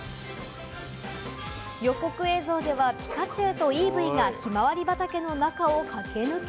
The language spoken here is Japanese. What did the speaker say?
予告映像では、ピカチュウとイーブイがひまわり畑の中を駆け抜け。